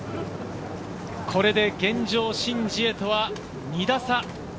これで現状、シン・ジエとは２打差。